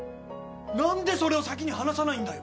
何でそれを先に話さないんだよ！